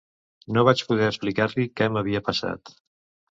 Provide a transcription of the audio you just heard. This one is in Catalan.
No vaig poder explicar-li què m'havia passat.